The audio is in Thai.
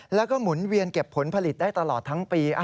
แล้วก็หมุนเวียนเก็บผลผลิตได้ตลอดทั้งปี